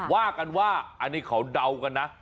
ว่ากันว่าอันนี้เขาเดากันนะ